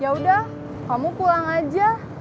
yaudah kamu pulang aja